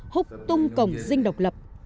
húc tung cổng dinh độc lập